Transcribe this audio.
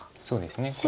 そうですね。